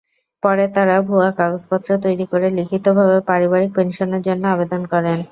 পরে তাঁরা ভুয়া কাগজপত্র তৈরি করে লিখিতভাবে পারিবারিক পেনশনের জন্য আবেদন করেন।